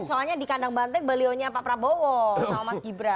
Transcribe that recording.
soalnya di kandang banteng balionya pak prabowo sama mas gibran